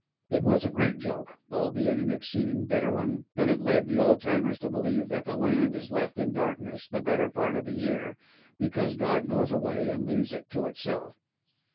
It was a great joke, albeit an exceeding bitter one, and it has led the old timers to believe that the land is left in darkness the better part of the year because God goes away and leaves it to itself.